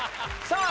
さあ